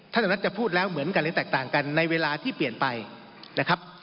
ธรรมรัฐจะพูดแล้วเหมือนกันหรือแตกต่างกันในเวลาที่เปลี่ยนไปนะครับ